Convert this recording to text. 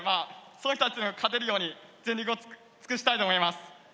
その人たちにも勝てるように全力を尽くしたいと思います。